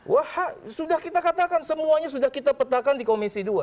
wah sudah kita katakan semuanya sudah kita petakan di komisi dua